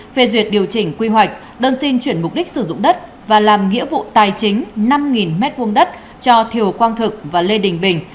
phê duyệt điều chỉnh quy hoạch đơn xin chuyển mục đích sử dụng đất và làm nghĩa vụ tài chính năm m hai đất cho thiều quang thực và lê đình bình